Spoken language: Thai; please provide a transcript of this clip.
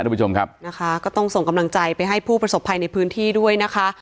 ทุกผู้ชมครับนะคะก็ต้องส่งกำลังใจไปให้ผู้ประสบภัยในพื้นที่ด้วยนะคะ